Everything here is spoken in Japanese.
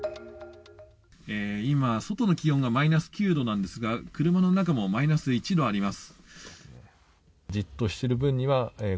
今、外の気温がマイナス９度なんですが車の中もマイナス１度あります。